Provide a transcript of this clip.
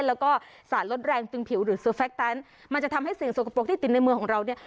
แล้วก็สารลดแรงตึงผิวหรือโซแฟคแตนมันจะทำให้สิ่งสกปรกที่ติดในเมืองของเราเนี่ย